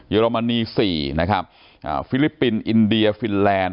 อรมนี๔นะครับฟิลิปปินส์อินเดียฟินแลนด